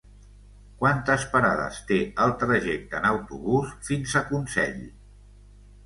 Quantes parades té el trajecte en autobús fins a Consell?